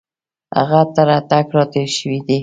هغه تر اټک را تېر شوی دی.